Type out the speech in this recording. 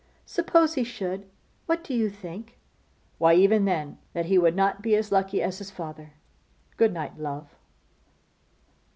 Suppose he should? What do you think?' 'Why, even then, that he would not be as lucky as his father. Good night, love!